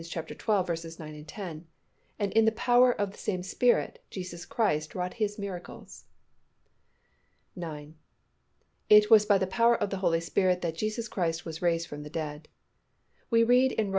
9, 10), and in the power of the same Spirit, Jesus Christ wrought His miracles. 9. It was by the power of the Holy Spirit that Jesus Christ was raised from the dead. We read in Rom.